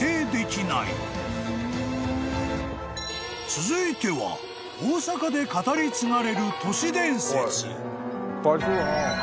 ［続いては大阪で語り継がれる都市伝説］